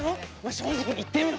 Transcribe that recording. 正直に言ってみろ。